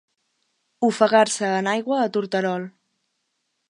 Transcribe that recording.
Ofegar-se en aigua a torterol.